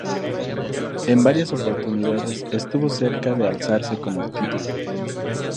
En varias oportunidades estuvo cerca de alzarse con el título.